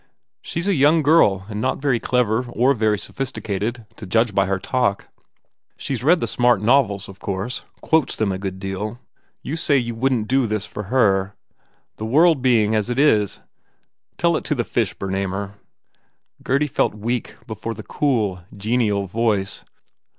She s a young girl and not very clever or very sophisticated, to judge by her talk. She s read the smart novels, of course. Quotes them a good deal ... You say you wouldn t do this for her? The world being as it is? Tell it to the fish, Bernamer!" Gurdy felt weak before the cool, genial voice.